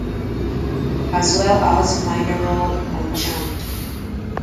As well as minor role on Charmed.